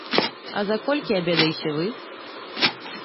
А за колькі абедаеце вы?